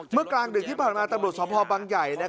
เมื่อกลางดึกที่ผ่านมาตำรวจสมภาพบังใหญ่